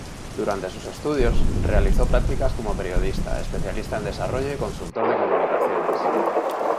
Durante sus estudios, realizó prácticas como periodista, especialista en desarrollo y consultor de comunicaciones.